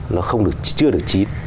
nó chưa được chín